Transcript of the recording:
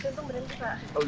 setengah delapan udah kelar